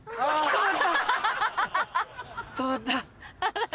止まった。